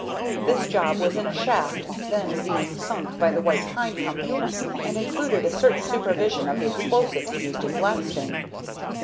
This job was in a shaft then being sunk by the White Pine Company, and included a certain supervision of the explosives used in blasting.